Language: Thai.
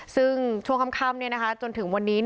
ซึ่งชั่วคำจนถึงวันนี้เนี่ย